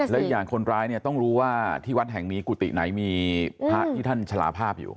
และอย่างคนร้ายเนี่ยต้องรู้ว่าที่วัดแห่งนี้กุฏิไหนมีพระที่ท่านฉลาภาพอยู่